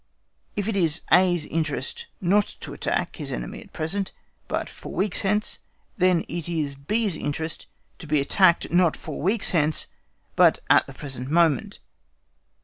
If it is A's interest not to attack his enemy at present, but four weeks hence, then it is B's interest to be attacked, not four weeks hence, but at the present moment.